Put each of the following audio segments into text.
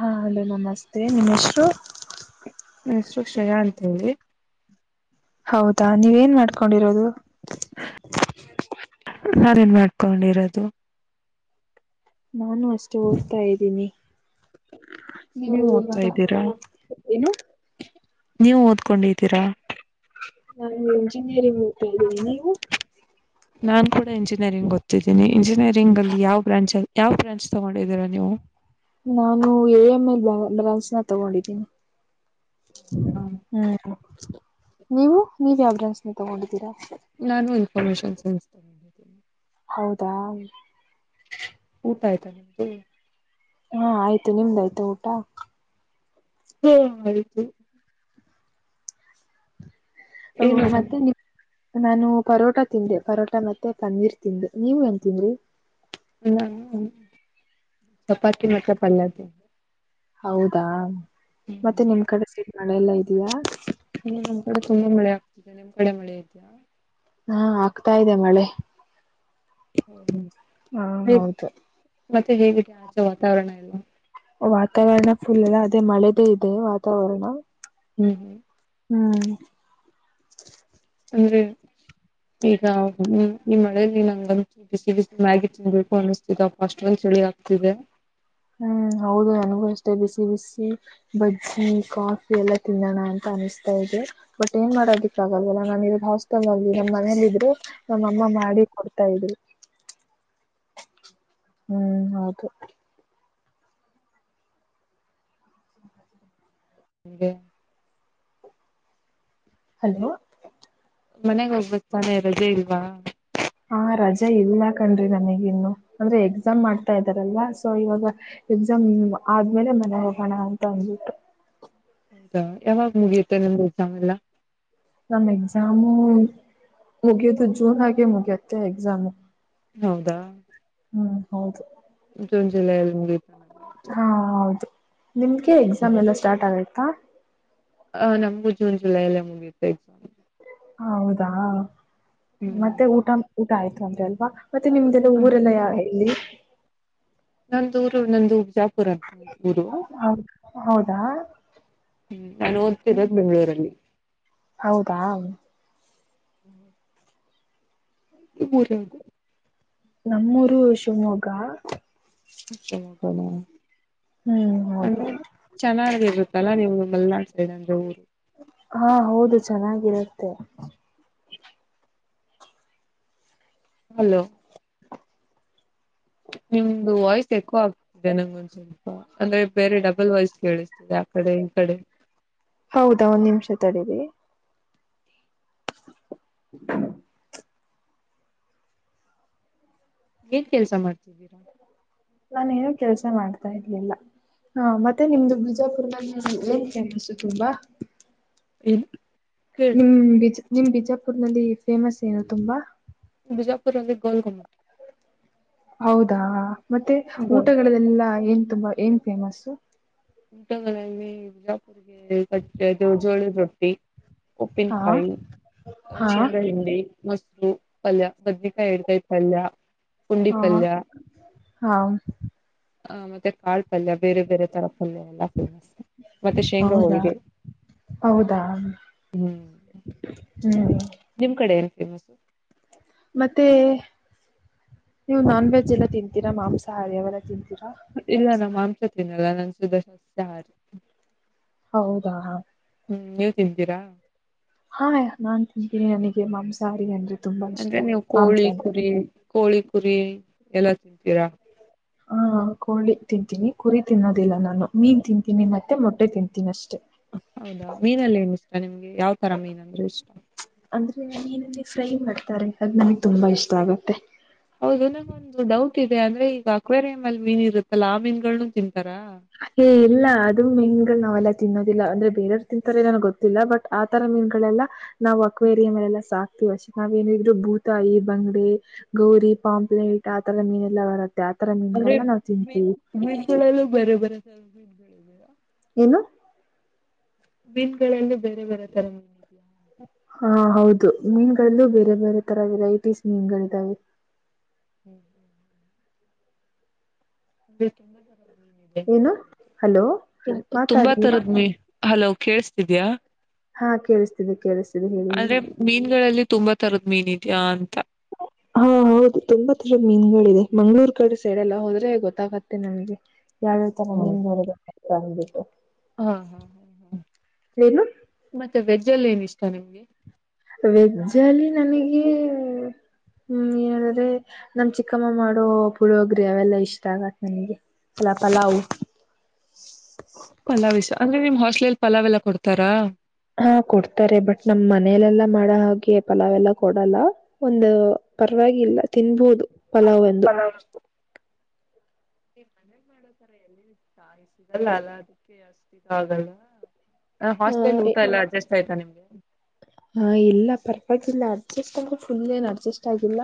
ಹಾ ಅಲೋ ನಮಸ್ತೆ ನಿಮ್ಮೆಶ್ರು? ಹ ಶ್ರೇಯಾ ಅಂತ ಹೇಳಿ, ಹೌದಾ ನೀವೇನ್ ಮಾಡ್ಕೊಂಡಿರೋದು? ನಾನೇನ್ ಮಾಡ್ಕೊಂಡಿರೋದು? ನಾನು ಅಷ್ಟೇ ಓದ್ತಾ ಇದ್ದೀನಿ. [unintelligible] ನೀವು ನೀವ್ ಓದ್ತಾ ಇವಾಗ ಇದ್ದೀರಾ? ಏನು ನೀವು ಓದ್ಕೊಂಡಿದ್ದೀರಾ? ಹಾ ಇಂಜಿನಿಯರಿಂಗ್ ಓದ್ತಾ ಇದೀನಿ. ನೀವು? ನಾನ್ ಕೂಡ ಇಂಜಿನಿಯರಿಂಗ್ ಗೊತ್ತಿದ್ದೇನೆ, ಇಂಜಿನಿಯರಿಂಗ್ ಅಲ್ಲಿ ಯಾವ ಬ್ರಾಂಚಲ್ ಯಾವ್ ಬ್ರಾಂಚ್ ತಗೊಂಡಿದ್ದೀರ ನೀವು? ನಾನು ಎ ಎಂ ಎಲ್ ನ ತಗೊಂಡಿದ್ದಿನಿ. ಹ್ಮ್ ನೀವು ನೀವ ಯಾವ್ ಬ್ರಾಂಚ್ ನ ತಗೊಂಡಿದ್ದೀರಾ? Commission science. ಹೌದಾ ಊಟ ಆಯ್ತಾ ನಿಮ್ದು? ಹಾ ಆಯ್ತು ನಿಮ್ದಾಯ್ತು ಊಟ ಹ್ಮ ಆಯಿತು [unintelligible] ಹ ಏನ್ ಊಟ ಮತ್ತೆ ನಿಮ್ ನಾನು ಪರೋಟಾ ತಿಂದೆ ಪರೋಟಾ ಮತ್ತೆ ಪನ್ನೀರ್ ತಿಂದೆ ನೀವ್ ಏನ್ ತಿಂದ್ರಿ. [unintelligible] ಹ್ಮ್ ಚಪಾತಿ ಮ ಪಲ್ಲತಿ. [unintelligible] ಹೌದಾ. ಮತ್ತೆ ನಿಮ್ ಕಡೆ ಸಿ. [unintelligible] ಮಳೆಲ್ಲಾ ಇದಯಾ. ಹ್ಮ ನಮ್ ಕಡೆ ತುಂಬಾ ಮಳೆ ಆಗ್ತಿದೆ ನಿಮ್ ಕಡೆ ಮಳೆ ಇದ್ಯಾ. ಹಾ ಆಗ್ತಾ ಇದೆ ಮಳೆ. [unintelligible] ಹ್ಮ ಹ್ಮ. ಹಾ ಹೌದು. [unintelligible] ಮತ್ತೆ ಹೇಗಿದೆ. [unintelligible] ಎಲ್ಲ [unintelligible] ವಾತಾವರ್ರಣಫುಲ್. [unintelligible] [unintelligible] ಮ ಮಳೆದೇ ಇದೆ ವಾತಾವರಣ. ಹ್ಮ್ ಹ್ಮ್. [unintelligible] ಹ್ಮ್. [unintelligible] ಅಂದ್ರೆ ಈಗ ಹ್ಮ ಈ ಮಳೇಲಿ ನಂಗಮ್. [unintelligible] ಬಿಸಿ ಬಿಸಿ [unintelligible] ತ [unintelligible] ಅಷ್ಟೊಂದ ಚಳಿ ಆಗ್ತಿದೆ. ಹ್ಮ್ ಹೌದು ನನಗೂ ಅಷ್ಟೇ ಬಿಸಿ ಬಿಸಿ ಬಜ್ಜಿ ಕಾಫಿ ಎಲ್ಲಾ ತಿನ್ನೋಣ ಅಂತ ಅನಿಸ್ತಾ ಇದೆ ಬಟ್ ಏನ್ ಮಾಡೋದಿಕ್ಕ ಆಗಲ್ಲ್ಲ ನಾನು ಇರೋದು ಹಸ್. ನಮ್ಮ್ ಮನೇಲಿ ಇದ್ರು ನಮ್ಮಮ್ಮ ಮಾಡಿ. ಇದವಿ [unintelligible] ಹ್ಮ್ ಹೌದು. ಹಗೆ. [unintelligible] ಹಲೋ. ಮನೆಗ್ ಹೋಗ್ಬೇಕತಾನೆ ರಜೆ ಇಲ್ವಾ. ಆ ರಜೆ ಇಲ್ಲ ಕಣ್ರಿ ನನಗಿ ಇನ್ನು ಅಂದ್ರೆ ಎಕ್ಸಾಮ್ ಮಾಡ್ತಾ ಇದ್ದಾರಲ್ಲ ಸೊ ಇವಾಗ ಎಕ್ಸಾಮ್ ಆದ್ಮೇಲೆ ಮನೆ ಹೋಗೋಣ ಅಂತ ಅಂದಬಿಟ್ಟು. ಹೌದಾ ಯಾವಾಗ ಮುಗಿಯುತ್ತೆ ನಿಮ್ದು ಎಕ್ಸಾಮ್ ಎಲ್ಲ. ನಮ್ ಎಕ್ಸಾಮು ಮುಗಿಯುದುು ಜೂನ್ಗೆ ಮುಗಿಯತ್ತೆ ಎಕ್ಸಾಮು. ಹೌದಾ. ಹ್ಮ್ ಹೌದು. ಜೂನ್ ಜುಲೈ ಅಲ್ಲಿ ನಿ. ಹಾ ಹೌದು. ನಿಮ್ಗೆ ಎಕ್ಸಾಮ ಹ್ಮ್. ಎಲ್ಲ ಸ್ಟಾರ್ ಆಗುತ್ತೆ. ಹತ್ತ. [unintelligible] ಆ ನಮಗೂ ಜೂನ್ ಜುಲೈ ಅಲ್ಲೇ ಮುಗಿತೆ [unintelligible] ಎಕ್ಸಾಮ್. ಹೌದಾ. ಮತ್ತೆ ಹ್ಮ್ ಊಟ ಊಟ ಆಯ್ತು. [unintelligible] [unintelligible] ದ್ರೆ ಅಲ್ವಾ. ಮತ್ತೆ ನಿಮ್ದೆಲ್ಲ ಊರೆಲ್ಲ ಯಾವ ಇಲ್ಲಿ. ಹ್ಮ್ಮ್. ನಂದೂರು ನಂದುಜಾಪುರಂತ. ಹೌದು ಹೌದು ಹಾ ನಾು ಓದ್ತಿರೋದು್ ಬೆಂಗಳೂರಲ್ಲಿ ಹೌದಾ ಹ್ಮ್ ಮೂಊರ ನಮ್ಮೂರು ಶಿವಮೊಗ್ಗ ಕ ಹ್ಮ್ ಹೌದು ಅಂದ್ರೆ ಚೆನ್ನಾಗಿ ಇರುತ್ತಲ್ಲ ನೀವು ಮಲೆನಾಡು ಸೈಡ್ ಅಂದ ಊರು ಚೆನ್ನಾಗಿರುತ್ತೆ ಇ ಹಲೋ ನಿಮ್ದು ವಾಯ್ಸ್ ಎಕೋ ಆಗ್ತಿದೆ ನಂಗೊಂದ್ ಸ್ವಲ್ಪ ಅಂದ್ರೆ ಬೇರೆ ಡಬಲ್ ವಾಯ್ಸ್ ಕೇಳಿಸ್ತಿದೆ ಆ ಕಡೆ ಈ ಕಡೆ ಹೌದಾ ಒಂದ್ ನಿಮಿಷ ತಡೀರಿ ಹ್ಮ್ ಏನ್ ಕೆಲ್ಸ ಮಾಡ್ತಿದ್ದೀರಾ ನಾನೇಏನ ಕೆಲ್ಸ ಮಾಡ್ತಾ ಇರ್ಲಿಲ್ಲ ಹ ಮತ್ತೆ ನಿಮ್ದು ಬಿಜಾಪುರ್ ನಲ್ಲಿ ಏನ್ ಫೇಮಸ್ಸು ತುಂಬಾ ಹ್ಮ ನಿ್ಮ್ಜ ನಿಮ್ ಬಿಜ ೂರ್ ನಲ್ಲಿ ಫೇಮಸ್ ಏನು ತುಂಬಾ ಬಿಜಾಪು ಅಲ್ಲಿ ಗೋಲ್ಘುಮ ಹೌದಾ ಮತ್ತೆ ಗೋಲ್ ಊಟಗಳಲ್ಲೆಲ್ಲ ಏನ್ ತುಂಬಾ ಏನ್ ಫೇಮಸ್ು ಊಟ ಬಿಜಾಪುರ್ಗೆ ಕಟ್ಟದು ಜೋಳಿ ರೊಟ್ಟಿ ಹಾ ಉಪ್ಪಿನಕಾಯಿ ಹಾ ಚಿಂಡಿ ಮ ಹ ಅಲ್ಲ ಬದ್ರಕಾಯಿ ಇಡ್ಕಾಯಿ ಪಲ್ಯ ಪುಂಡಿ ಹಾ ಪಲ್ಯ ಹಾ ಹ ಮತ್ತೆ ಆಾಳ್ ಪಲ್ಯ ಬೇರೆ ಬೇರೆ ತರಪಲ್ಯ ಎಲ್ಲ ಫೇಮಸ್ ಮತ್ತೆ ಶೇಂಗಾ ಹೌದಾ ಹೋಳಿಗೆ ಹೌದಾ ಹ್ಮ್ ಹ್ಮ್ ನಿಮ್ ಕಡೆ ನು ಸ ಮತ್ತೆ ನೀವು ನಾನ್ ವೆಜ್ ಎಲ್ಲ ತಿಂತೀರಾ ಮಾಂಸಾಹಾರಿ ಅವೆಲ್ಲ ತಿೀರ ಇಲ್ಲ ನಮ್ಮ ಸಿನಾರಾಯಣ ಸ ದಶಸಹಾರಿ ಹೌದಾ ಹ ಹ್ಮ್ ನೀವ ತಿಂತೀರಾ ಹಾ ನಾನ್ ತಿಿದ್ದೀನಿ ನನಗೆ ಮಾಂಸಾರಿ ಅನ್ ಅಂದ್ರೆ ನೀವು ಕೋಳಿ ಕುರಿ ಕೋಳಿ ಪುರಿ ಎಲ್ಲಾ ತಿಂತೀರಾ ಹಾ ಕೋಳಿ ತಿಂತೀನಿ ಕುರಿ ತಿನ್ನೋದಿಲ್ಲ ನಾನು ಮೀನ್ ತಿಂತೀನಿ ಮತ್ತೆ ಮೊಟ್ಟೆ ತಿಂತೀನಿ ಅಷ್ಟೇ ಹೌದಾ ಮೀನಲ್ಲ ಏನ ಇಷ್ಟ ನಿಮ್ದ ಯಾವ ತರ ಮೀನ್ ಅಂದ್ರೆ ಇಷ್ಟ ಅಂದ್ರೆ ಫ್ರೈ ಮಾಡ್ತಾರೆ ಅದು ನನಗೆ ತುಂಬಾ ಇಷ್ಟ ಆಗುತ್ತೆ ಹೌದು ನಂಗೊಂದು ಡೌಟ್ ಇದೆ ಅಂದ್ರೆ ಈಗ ಅಕ್ವೆೇರಿಯ್ ಅಲ್ಲಿ ಮೀನ್ ಇರುತ್ತಲ್ಲಾ ಆ ಮೀನ್ಗಳ್ನು ತಿಂತ ಹೇ ಇಲ್ಲ ಅದು ಮೆನ್ ನಾವೆಲ್ಲ ತಿನ್ನೋದಿಲ್ಲ ಅಂದ್ರೆ ಬೇರೆಯವರು ತಿಂತಾರೆ ನನಗೆ ಗೊತ್ತಿಲ್ಲ ಬಟ್ ಆ ತರ ಮೀನ್ಗಳೆಲ್ಲ ನಾವು ಅಕ್ವೆೇರಿಯ ಮೇಲೆಲ್ಲಾ ಸಾಕ- ವಶ ನಾವೇಏನಿದ್ರು ಬೂತಾಯಿ ಬಂಗಡೆ ಗೌರಿ ಪಾಂಪ್ಲೆೇಟ್ ಆ ತರ ಮೀನೆಲ್ಲ ಬರತ್ತೆ ಅಂದ್ರೆ ಬೀಸಳಲ್ಲ ಬರ ಬರ ಸಲ್ ಬೆಳ ಬ ಹನು ಬೀತ್ಗಳಲ್ಲಿ ಬೇರೆ ಬೇರೆ ತರಿದೆಯಾ ಹಾ ಹೌದು ಮೀನು ಲ್ಲೂ ಬೇರೆ ಬೇರೆ ತರ ವೆರೈಟೀಸ್ ಮೀನ್ಗಳಿದಾವೆ ಹ್ಮ್ ಹ್ಮ್ ಅ ಏನು ಹಲೋ ತುಂ ತುಂಬಾ ಮಾತಾಡಿ ತರದ್ ಮೀ ಹಲೋ ಕೇೇಳಸ್ತಿದ್ಯಾ ಹಾ ಕೇಳಿಸ್ತೀನಿ ಕೇಳಿಸತೀಿ ಅಂದ್ರೆ ಮೀನ್ಗಳಲ್ಲಿ ತುಂಬಾ ತರದ್ ಮೀನ್ ಇದಿದ್ಯಾಾ ಅಂತ ಹಾ ಹೌದು ತುಂಬಾ ತರ ಮೀನ್ಗಳಿದೆ ಮಂಗ್ಗಳೂರ್ ಕಡೆ ಸೈಡ್ ಎಲ್ಲ ಹೋದ್ರೆ ಗೊತ್ತಾಗತ್ತೆ ನಮ್ಗೆ ಯಾವ ಯಾವ ತರ ಹೌದು ಮೀನುಗಳಿಗೆ ಹಬೇಕತ ಹಾ ಹಾ ಹ ಹ ಏನು ಮತ್ತೆ ವೆಜ್ ಜಲ್ಲ ಏನ ಇಷ್ಟ ನಿಮ್ಗೆ ವೆಜ್ಜ್ ಅಲ್ಲಿ ನನಗೆ ಹ್ಮ್ ಹೇಳಿದ್ರೆ ನಮ ಚಿಕ್ಕಮ್ಮ ಮಾಡೋ ಪುಳೋಗ್ರಿ ಅವೆಲ್ಲಾ ಇಷ್ಟ ಆಗತ್ ನನಗೆ ಎಲ ಪಲಾವು್ ಪಲಾವೆಲ್ಲ ಕೊಡ್ತಾರಾ ಹಾ ಕೊಡ್ತಾರೆ ಬಟ್ ನಮ್ ಮನಲೆಲ್ಲಾ ಮಾಡ ಹಾಗೆ ಪಲಾವೆಲ್ಲ ಕೊಡಲ್ಲ ಒಂದು ಪರವಾಗಿಲ್ಲ ತಿನ್ಬಹುದು ಪಲಾವ್ ಎಂದು [unintelligible] ಹ ಹಾಸ್ಟ್ಲ್ಲಿ ಆ ಊಟ ಎಲ್ಲ ಅಡ್ಜಸ್ ಆಯತಾ ನಿಮ್ಗೆ ಹಾ ಇಲ್ಲ ಪರವಾಗಿಲ್ಲ ಅಡ್ಜಸ್ಟ್ೊಂಡ್ರು ಫುಲ್ ಏನು ಅಡ್ಜಸ್ಟ್ ಆಗಿಲ್ಲ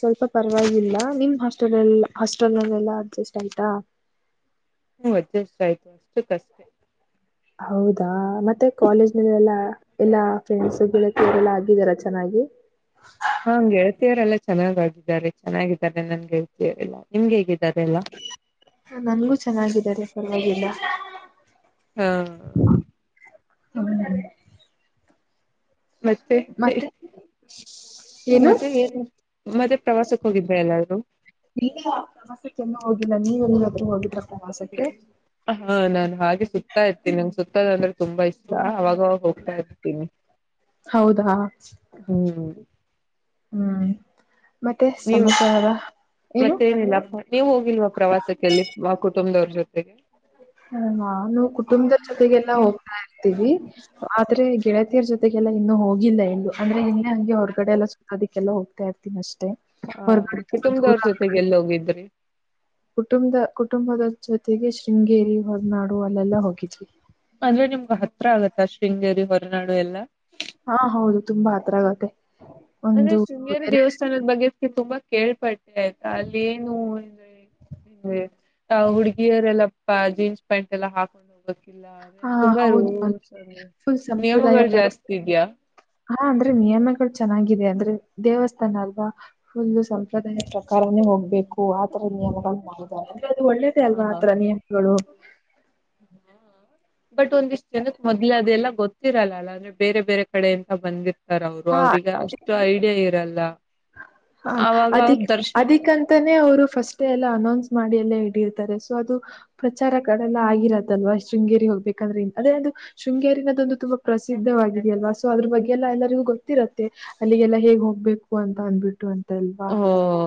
ಸ್ವಲ್ಪ ಪರವಾಗಿಲ್ಲ ನಿಮ್ ಹಾಸ್ಟೆಲ್ ಹಾಸ್ಟೆಲ್ ನ ಎಲ್ಲಾ ಅಡ್ಜಸ್ಟ್ ಆಯ್ತಾ ಹ್ಮ ಅಜಷ್ಟ ಆಯ್ತು ಅಷ್ಟು ಕಷ್ಟೇ ಹೌದಾ ಮತ್ತೆ ಕಾಲೇಜ್ ನಲ್ಲ ಎಲ್ಲ ಎಲ್ಲಾ ೆಂಡ್ಸ್ ಗೆ ಎಲ್ಲ ಆಗಿದಾರ ಚೆನ್ನಾಗಿ ಹಾ ಗೆಳಳ್ತಿಯವರೆಲ್ಲಾ ಚೆನ್ನಾಗಾಗಿದ್ದಾರೆ ಚೆನ್ನಾಗಿದ್ದಾರೆನ ನನ್ಗೆಳ್ತಿಯ ಇಲ್ಲ ನಿಮ್ಗೆ ಹೇಗ ನನ್ಗೂ ಚೆನ್ನಾಗಿದ್ದಾರೆ ಸ್ವಲ್ಪ [unintelligible] ಹಾ ಹೌದೇ ಮತ್ತೆ ಇಲ್ಲ ಮತ್ತೆ ಏನು ಮತ್ತೆ ಪ್ರವಾಸಕ್ಕೆ ಹೋಗಿದೆ ಎಲ್ಲೂ ನೀವ ಹ ಹೋಗಿ ಹಾ ನಾನ ಸುತ್ತಾ ಇರ್ತೀನಿ ನಂಗೆ ಸುತ್ತದ ಅಂದ್ರೆ ತುಂಬಾ ಇಷ್ಟ ಅವಾಗಾಗ ಹೋಗ್ತಾ ಇರ್ತೀನಿ ಹೌದಾ ಹ್ಮ್ ಹ್ಮ್ ಮತ್ತೆ ನೀವು ಸಮಾಚಾರ ಏನು ಮತ್ತೇನಿಲ್ಲ ನೀವು ಹೋಗಿಲ್ವಾ ಪ್ರವಾಸಕ್ಕೆ ಅಲ್ಲಿ ಆ ಕುಟುಂಬದವ್ರ ಜೊತೆಗೆ ಹ ನಾನು ಕುಟುಂಬದ ಜೊತೆಗೆಲ್ಲ ಹೋಗ್ತಾ ಇರ್ತೀವಿ ಆದ್ರೆ ಕೆಗೆಳತಿಯರ ಜೊತೆಗೆಲ್ಲ ಇನ್ನು ಹೋಗಿಲ್ಲ ಎಂದು ಅಂದ್ರೆ ಇ ಹಂಗೆ ಹೊರಗಡೆ ಎಲ್ಲ ಸುತ್ತದಕ್ಕೆ ಎಲ್ಲ ಹೋಗ್ತಾ ಇತೀನಿಷ್ಟೆ ಹಾ ಕುಟುಂಬದವ್ರ ಜೊತೆಗೆ ಎಲ್ಲೋಗಿದ್ರಿ. ಕುಟುಂಬದ ಕುಟುಂಬದ ಜೊತೆಗೆ ಶೃಂಗೇರಿ ಹೊದನಾಡು ಅಲ್ಲೆಲ್ಲಾ ಹೋಗಿದ್ವಿ. ಅಂದ್ರೆ ನಿಮ್ಗ ಹತ್ರ ಆಗತ್ತಾ ಶೃಂಗೇರಿ ಹೊರನಾಡು ಎಲ್ಲ. ಹಾ ಹೌದು ತುಂಬಾ ಹತ್ರರಗತ್ತೆ. ಅಂದ್ರೆ ಶೃಂಗೇರಿ ದೇವಸ್ಥಾನದ ಬಗ್ಗೆದಕ ತುಂಬಾ ಕೇಳ್ಪಟ್ಟೆ ಆಯ್ತಾ ಅಲ್ಲಿ ಏನು. ಆ ಹುಡುಗಿಯರೆಲ್ಲ ಪ ಜೀನ್ಸ್ ಪ್ಯಾಂಟ್ ಎಲ್ಲಾ ಹಾಕೊಂಡ್ ಹೋಗ. ಹಾ ಹೌದು ಫುಲ್ ಸಂಪ್ರದಾಯ ನಿಯಮಗಳು ಪ್ರಕಾರ ಜಾಸ್ತಿ ಇದ್ಯಾ? ಹ ಅಂದ್ರೆ ನಿಯಮಗಳು ಚೆನ್ನಾಗಿದೆ ಅಂದ್ರೆ. ದೇವಸ್ಥಾನ ಅಲ್ವಾ ಫುಲ್ಲ ಸಂಪ್ರದಾಯ ಪ್ರಕಾರನೇ ಹೋಗ್ಬೇಕು. ಹ್ ಆ ತರ ನಿಯಮಗಳು ಮಾಡಿದ್ದಾರೆ ಅಂದ್ರೆ ಅದು ಒಳ್ಳೇದೇ ಹ ಅಲ್ವಾ ಹಾ ಆತರ ನಿಯಮಗಳು. ಬಟ್ ಒಂದಿಷ್ಟ್ ಜನಕ್ ಮೊದ್ಲೆ ಅದೆಲ್ಲಾ ಗೊತ್ತಿರಲ್ಲ ಅಲ್ಲ ಅಂದ್ರೆ ಬೇರೆ ಬೇರೆ ಕಡೆ ಎಂತ ಬಂದಿರ್ ಹ ಇರಲ್ಲ ಹ ಅವಾಗ ಅಿ ಅವ್ರ ದರ್ಶನ ಅದಕ್ಕಂತಾನೇ ಅವರು ಫಸ್ಟ್ ಎಲ್ಲ ಅನೌನ್ಸ್ ಮಾಡಿ ಎಲ್ಲ ರ್ತಾರೆ ಸೊ ಅದು ಪ್ರಚಾರ ಕಲ್ಲ ಆಗಿರೋದಲ್ವಾ ಶೃಂಗೇರಿ ಹೋಗ್ಬೇಕಂದ್ರೆ ಅದೇ ಅದು ಶೃಂಗೇರಿನದ ಒಂದು ತುಂಬಾ ಪ್ರಸಿದ್ಧವಾಗಿದೆಯ ಅಲ್ವಾ ಸೊ ಅದ್ರ ಬಗ್ಗೆ ಎಲ್ಲ ಎಲ್ಲರಿಗೂ ಗೊತ್ತಿರತ್ತೆ ಅಲ್ಲಿಗೆಲ್ಲಾ ಹೇಗ್ ಹೋಗ್ಬೇಕು ಅಂತ ಅಂದನ್ಬಿಟ್ಟು ಅಂತ ಓ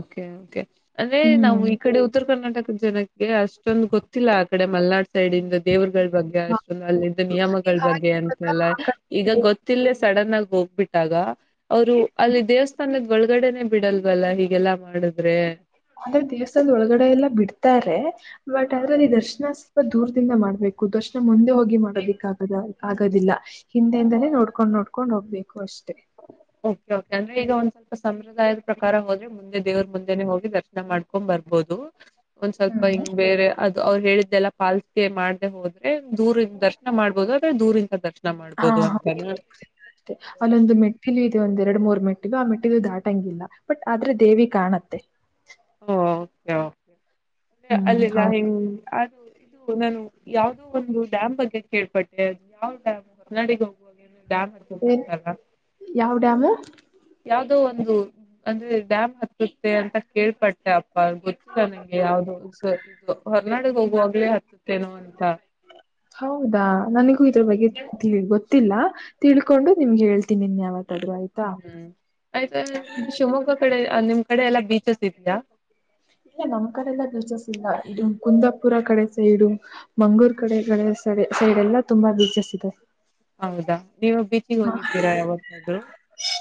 ಓಕೆ ಓಕೆ ಅದೇ ನಾವ ಹ್ಮ್ ಈ ಕಡೆ ಉತ್ತರ ಕರ್ನಾಟಕ ಜನ ಅಷ್ಟೊಂದ ಗೊತ್ತಿಲ್ಲ ಆ ಕಡೆ ಮಲ್ನಾಡ್ ಸೈಡಿಂದಾ ದೇವರಗಳ ಬಗ್ಗೆ ಅಸ್ಟೊಂದ ಅಲ್ಲಿದ್ದ ಹೌದು ನೀವ್ ನಿಯಮಗಳ ಬಗ್ಗೆ ಅಂತೆಲ್ಲಾ ಈಗ ಹಾಗೆ ಗೊತ್ತಿಲ್ಲೇ ಸಡನ್ ಆಗ ಹೋಗ್ಬಿಟ್ಟಾಗ ಅವರು ಅಲ್ಲಿ ದೇವಸ್ಥಾನದ ಒಳಗಡೆನೆ ಬಿಡಲ್ವಲ್ಲ ಹೀಗೆಲ್ಲಾ ಮಾಡಿದ್ರೆ ಅಂದ್ರೆ ದೇವ್ಸ್ಥದ ಒಳಗಡೆ ಎಲ್ಲಾ ಬಿಡ್ತಾರೆ ಅದ್ರಲ್ಲಿ ದರ್ಶನಾ ಸ್ವಲ್ಪ ದೂರ್ ಮಾಡ್ಬೇಕು ದರ್ಶನ ಮುಂದೇ ಹೋಗಿ ಮಾಡೋದಕ್ಕಗದ ಆಗೋದಿಲ್ಲ ಹಿಂದೆಯಿಂದನೆ ನೋಡ್ಕೊಂಡ್ ನೋಡ್ಕೊಂಡ್ ಹೋಗ್ಬೇಕು ಅಷ್ಟೆ ಓಕೆ ಕೆ ಅಂದ್ರೆ ಈಗ ಒಂದ್ ಸ್ವಲ್ಪ ಸಂಪ್ರದಾಯದ ಪ್ರಕಾರ ಹೋದ್ರೆ ಮುಂದೆ ದೇವ್ರ ಮುಂದೆನನೆ ಹೋಗಿ ದರ್ಶನ ಮಾಡ್ಕೊಂಡ್ ಬರ್ಬೋದು ಒಂದ್ ಸ್ವಲ್ಪ ಹಿಂಗ್ ಬೇರೆ ಅವ್ರು ಹೇಳಿದ್ದೆಲ್ಲಾ ಪಾಲ್ಸಿಕೆ ಮಾಡದ್ದೇ ಹೋದ್ರೆ ದೂರಿಂದಾ ದರ್ಶನ ಮಾಡ್ಬೋದು ದೂರಿಂದ ದರ್ಶ [unintelligible] ಮಿ ಇದೆ ಒಂದ್ ಎರಡು ಮೂರ್ ಮೆಟ್ಟಿಲುು ಆ ಮೆಟ್ಟಿಿದು ದಾಟಂಗಿಲ್ಲ ಬಟ್ ಆದ್ರೆ ದೇವಿ ಕಾಣತ್ತೆ ಯಾಕೆ ಹ್ಮ್ ಅಲ್ಲಿಲ್ಲ ಹೌದು ಹಿಂಗ್ ಅದು ಇದು ನನ್ನ ಯಾವವುದೋ ಒಂದು ಡ್ಯಾಮ್ ಬಗ್ಗೆ ಕೇಳ್ಪಟ್ಟೆ ಅದು ಯಾವ್ ಡ್ಯಾಮ್ ಹೊರನಾಡಗೆ ಹೋಗುವಾಗ ಡ್ಯಾಮ್ ಹತ್ತುತ್ತಂತಲ್ಲ. ಯಾವ ಡ್ಯಾಮು ಯಾವುದೋ ಒಂದು ಅಂದ್ರೆ ಡ್ಯಾಮ್ ಹತ್ತುತ್ತೆ ಅಂತ ಕೇಳ್ಪಟ್ಟೆ ಗೊತ್ತಿಲ್ಲ ನಂಗೆ ಯಾವ್ದು ಇದು ಹೊರ್ನಾಡಿಗೆ ಹೋಗುವಾಗ್ಲೇ ಹತ್ತುತ್ತೇನೋ ಅಂತ ನನಗ ಬಗ್ಗೆ ಗೊತ್ತಿಲಾ ತಿಳ್ಕೊಂಡು ನಿಮ್ಗೆ ಹೇಳ್ತೀನಿ ನೀನ್ಯಾವತ್ತ ಹ್ಮ್ ಆಯತು ಅಲಿ ನಿಮ್ಮ ಶಿವಮೊಗ್ಗ ಕಡೆ ನಿಮ್ ಕಡೆ ಎಲ್ಲಾ ಬೀಚಸ್ ಇದ್ದವಾ ಇಲ್ಲ ನಮ್ಮ್ ಕಡೆಲ್ಲ ಬೀಚಸ್ ಇಲ್ಲಾ ಇದು ಕುಂದ ಪುರ ಕಡೆ ಸೈಡು ಮಂಗಳೂರ್ ಕಡೆ ಸೈಡ್ ಎಲ್ಲ ತುಂಬಾ ಬೀಚಸ್ ಸಿಗ [unintelligible] ಹೌದಾ ನೀವು ಬೀಚಿಗೆ ಹೋಗಿದ್ದೀರಾ ಯಾವತ್ತಾದ್ರು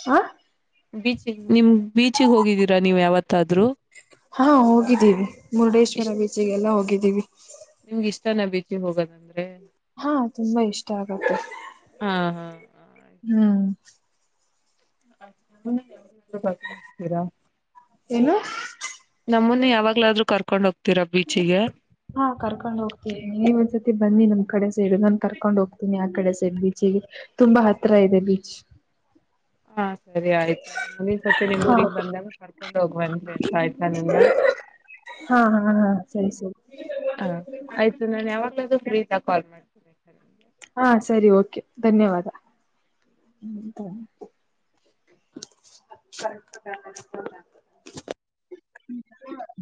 ಹಾ [unintelligible] ಬೀಚ ನಿಮ ಬೀಚಿಗೆ ಹೋಗಿದ್ದೀರಾ ನೀವು್ ಯಾವತ್ತಾದ್ರು [unintelligible] ಹಾ ಹೋಗಿದ್ದೀವಿ ಮುರುಡೇಶ್ವರ ಇಷ್ಟ ಬೀಚಿಗೆಲ್ಲ ಹೋಗವಿನ್ [unintelligible] ಗಿದ್ದೀವಿ [unintelligible] ನಿಮ್ಗೆ ಇಷ್ಟಾನ ಬೀಚಿಗೆ ಹೋಗೋದಂದ್ರೆ [unintelligible] ಹಾ ತುಂಬಾ ಇಷ್ಟ ಆಗತ್ತೆ [unintelligible] ಹಾ ಹಾ ಆಯ್ತು [unintelligible] ಹ್ಮ್ ಆ [unintelligible] ನನ್ನ ಪಕ ಮುತೀರಾ [unintelligible] ಏನು, [unintelligible] ನಮ್ಮನ್ನ ಯಾವಾಗಲಾದ್ರೂರ್ಕೊಂಡೋಗಿ [unintelligible] ಹಾ ಕರ್ಕೊಂಡ್ ಹೋಗ್ತೀವಿ ನೀವ ಒಂದ್ಸತಿ ಬನ್ನಿ ನಮ್ ಕಡೆ [unintelligible] ಸೇಡ್ ನಾನು ಕರ್ಕೊಂಡ್ ಹೋಗ್ತೀನಿ ಆ ಕಡೆ ಸೆಡ್ ಬೀಚ್ಗೆ ತುಂಬಾ ಹತ್ರ ಇದೆ ಬೀಚ್ [unintelligible] ಹಾ [unintelligible] ಸರಿ ಆಯ್ತುಂದನ್ ಸ ನಿಮ್ ಹಾ ಊಗ್ ಬಂದಾಗ ಕರ್ಕೊಂಡ್ ಹೋಗ್ವಂದಿ ಅಂತ ಆಯ್ತಾ ನಿನ್ನ ಹಾ ಹಾ ಹಾ ಸರಿ ಸರಿ ಆಯ್ತು ನ ಯ [unintelligible] ಫ್ರೀಸ್ ಕಾಲ್ ಮಾಡ್ತ [unintelligible] ಹಾ ಸರಿ ಓಕೆ ಧನ್ಯವಾದ [unintelligible]